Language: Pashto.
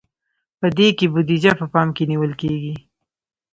په دې کې بودیجه په پام کې نیول کیږي.